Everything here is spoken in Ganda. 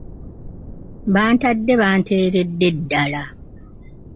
Bantadde banteeredde ddala.